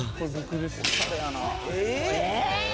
「え！？」